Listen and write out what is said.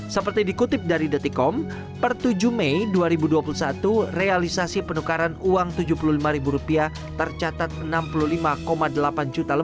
seperti dikutip dari detikom per tujuh mei dua ribu dua puluh satu realisasi penukaran uang rp tujuh puluh lima tercatat rp enam puluh lima delapan juta